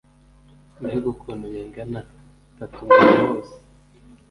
mbega ukuntu bingana tatu umubiri wose